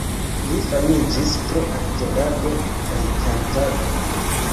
Li famiĝis pro aktorado kaj kantado.